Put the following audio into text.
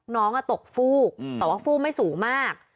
น้องตกฟูกแต่ว่าฟูกไม่สูงมาก